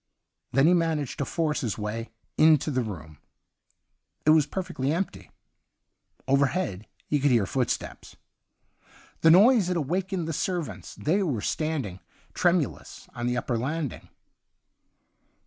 Then he managed to force his way into the room. It was perfectly empty. Overhead he could hear footsteps ; the noise had awakened the ser vants ; they were standing, tremu lous, on the upper landing.